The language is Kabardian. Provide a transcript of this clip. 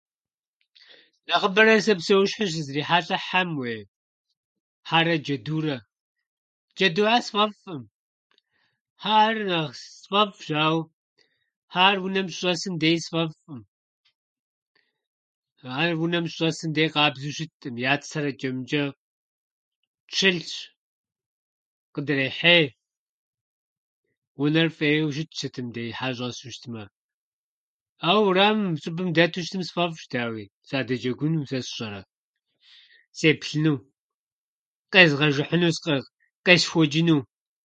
Нэхъыбэрэ сэ псэущхьэу сызрихьэлӏэр хьэм, уей, хьэрэ джэдурэ. Джэдухьэр сфӏэфӏӏым, хьэхьэр нэхъ сфӏэфӏщ, ауэ хьэхьэр унэм щыщӏэсым деи сфӏэфӏӏым. Ар унэм щыщӏэсым дей къабзэу щытӏым, я цыр атчӏэ-мытчӏэ щылъщ, къыдрехьей, унэр фӏейуэ щытщ сытым деи хьэ щӏэсу щытмэ. Ауэ урамым, щӏыбым дэту сыту щытмэ, сфӏэфӏщ, дауи, садэджэгуну, сэ сщӏэрэ, сеплъыну, къезгъэжыхьыну, скъэ- къесхуэчӏыну.